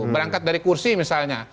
berangkat dari kursi misalnya